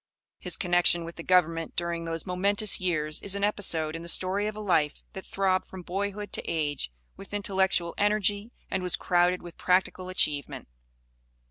His connection with the Government during those momentous years is an episode in the story of a life that throbbed from boyhood to age with intellectual energy, and was crowded with practical achievement.